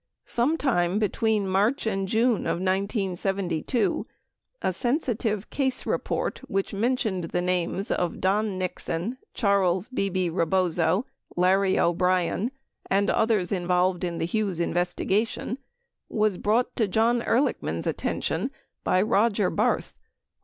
Some time between March and June of 1972, a sensitive case report which mentioned the names of Don Nixon, Charles "Bebe" Rebozo, Larry O'Brien, and others involved in the Hughes investigation, was brought to John Ehrlichman's attention by Roger Barth who was an 01 24 Hearings 11648.